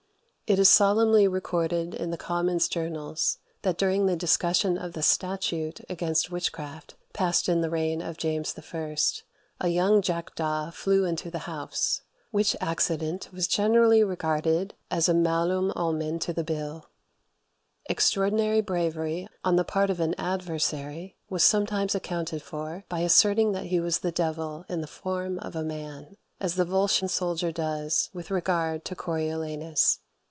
It is solemnly recorded in the Commons' Journals that during the discussion of the statute against witchcraft passed in the reign of James I., a young jackdaw flew into the House; which accident was generally regarded as malum omen to the Bill. Extraordinary bravery on the part of an adversary was sometimes accounted for by asserting that he was the devil in the form of a man; as the Volscian soldier does with regard to Coriolanus.